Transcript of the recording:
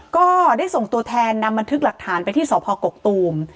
ก็ได้ส่งตัวแทนนำบันทึกหลักฐานไปที่สพกกตูม